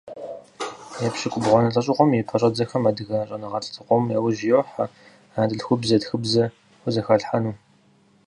Епщыкӏубгъуанэ лӏэщӏыгъуэм и пэщӏэдзэхэм адыгэ щӏэныгъэлӏ зыкъом яужь йохьэ анэдэльхубзэм тхыбзэ хузэхалъхьэну.